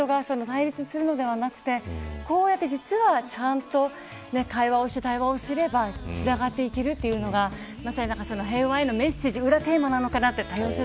人が対立するのではなくてこうやって実はちゃんと会話をして対話をすればつながっていけるというのがまさに平和へのメッセージ裏テーマなのかなと。